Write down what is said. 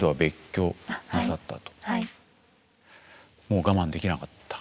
もう我慢できなかった？